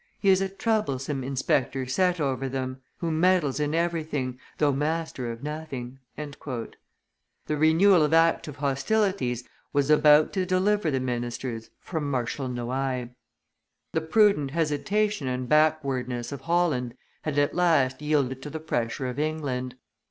He is a troublesome inspector set over them, who meddles in everything, though master of nothing." The renewal of active hostilities was about to deliver the ministers from Marshal Noailles. The prudent hesitation and backwardness of Holland had at last yielded to the pressure of England.